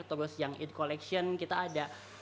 terus yang eat collection kita ada